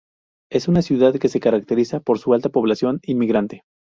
Es una ciudad que se caracteriza por su alta población inmigrante.